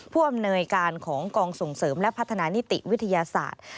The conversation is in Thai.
ผู้อำนวยการของกองส่งเสริมและพัฒนานิติวิทยาศาสตร์